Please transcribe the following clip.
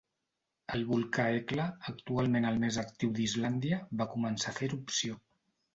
El volcà Hekla, actualment el més actiu d'Islàndia, va començar a fer erupció.